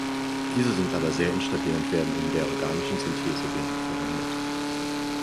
Diese sind aber sehr instabil und werden in der organischen Synthese wenig verwendet.